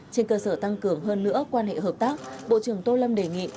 trên cơ sở tăng cường hơn nữa quan hệ hợp tác bộ trưởng tô lâm đề nghị